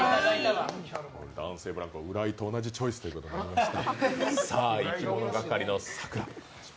男性ブランコ・浦井と同じチョイスとなりました。